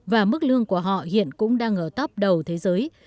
và mức lương của họ hiện cũng đang ở top đầu thế giới